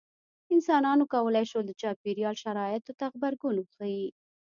انسانانو کولی شول د چاپېریال شرایطو ته غبرګون وښيي.